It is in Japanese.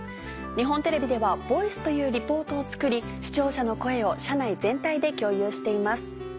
日本テレビでは「ＶＯＩＣＥ」というリポートを作り視聴者の声を社内全体で共有しています。